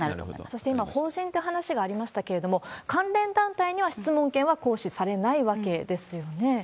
そして今、法人という話がありましたけれども、関連団体には質問権は行使されないわけですよね？